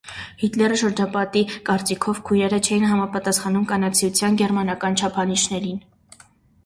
Հիտլերի շրջապատի կարծիքով քույրերը չէին համապատասխանում կանացիության գերմանական չափանիշներին։